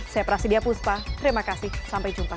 saya prasidya puspa terima kasih sampai jumpa